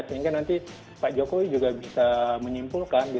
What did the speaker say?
sehingga nanti pak jokowi juga bisa menyimpulkan